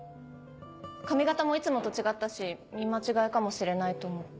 髪形もいつもと違ったし見間違えかもしれないと思って。